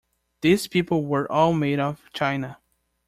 These people were all made of china.